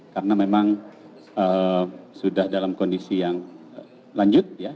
karena memang sudah dalam kondisi yang lanjut ya